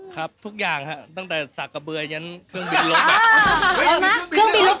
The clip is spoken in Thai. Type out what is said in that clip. ครับทุกอย่างตั้งแต่ศากะเบือยยันเครื่องบินรถ